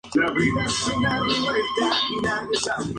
Los ojos son negros.